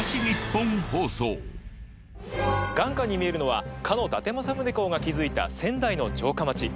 眼下に見えるのはかの伊達政宗公が築いた仙台の城下町。